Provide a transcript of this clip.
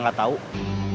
ya udah dia sudah selesai